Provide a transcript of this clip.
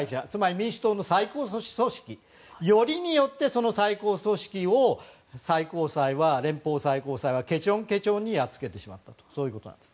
民主党の最高組織よりによって、その最高組織を連邦最高裁はけちょんけちょんにやっつけてしまったということです。